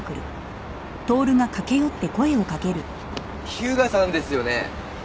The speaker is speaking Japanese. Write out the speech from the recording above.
日向さんですよね？